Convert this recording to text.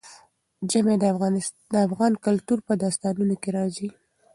ژمی د افغان کلتور په داستانونو کې راځي.